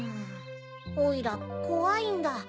おいらこわいんだ。